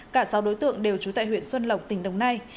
cả sáu đối tượng đều trú tại huyện xuân lộc tỉnh đồng nai